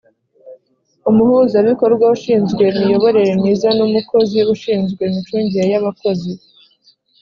Umuhuzabikorwa ushinzwe imiyoborere myiza n umukozi ushinzwe imicungire y abakozi